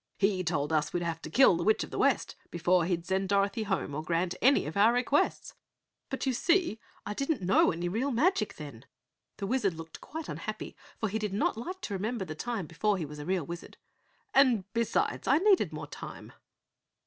"He told us we'd have to kill the Witch of the West before he'd send Dorothy home or grant any of our requests." "But, you see I didn't know any real magic then." The Wizard looked quite unhappy for he did not like to remember the time before he was a real Wizard. "And besides, I needed more time."